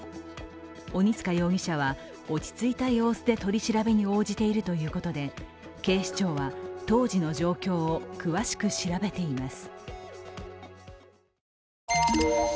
鬼束容疑者は落ち着いた様子で取り調べに応じているということで警視庁は当時の状況を詳しく調べています。